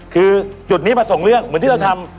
คือจุดนี้มาส่งเรื่องเหมือนที่เราทำ